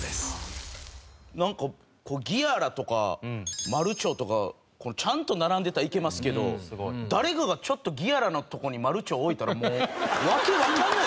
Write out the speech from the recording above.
なんかギアラとかマルチョウとかちゃんと並んでたらいけますけど誰かがちょっとギアラのとこにマルチョウ置いたらもう訳わかんない。